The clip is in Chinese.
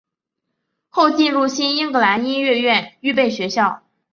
后进入新英格兰音乐院预备学校。